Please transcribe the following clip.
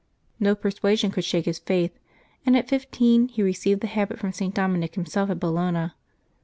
No persuasion could shake his faith, and at fifteen he received the habit from St. Dominic him self at Bologna.